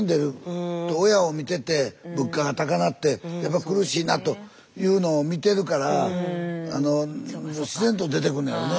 親を見てて物価が高なってやっぱ苦しいなというのを見てるからあの自然と出てくんのやろね。